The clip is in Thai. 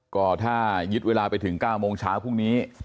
ก็ถ้ายึดเวลาไปถึง๙โมงเช้าพรุ่งนี้